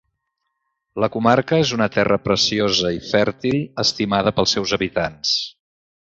La Comarca és una terra preciosa i fèrtil, estimada pels seus habitants.